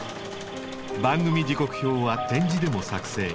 番組時刻表は点字でも作成。